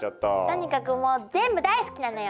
とにかくもう全部大好きなのよ！